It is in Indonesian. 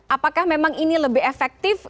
apakah memang ini lebih efektif